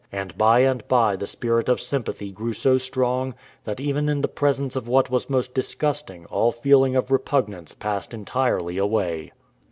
And by and by the spirit of sympathy grew so strong that even in the presence of what was most disgusting all feeling of repugnance passed entirely away.